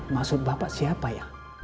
maksud bapak siapa ya